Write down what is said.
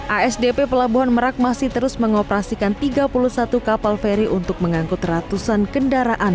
asdp pelabuhan merak masih terus mengoperasikan tiga puluh satu kapal feri untuk mengangkut ratusan kendaraan